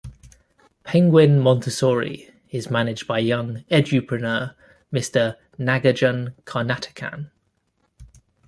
Penguin Montessori is managed by young edupreneur Mr. Nagarjun Karnatakam.